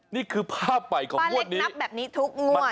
นี่คือภาพใหม่ของป้าเล็กนับแบบนี้ทุกงวด